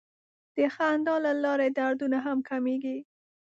د خندا له لارې دردونه هم کمېږي.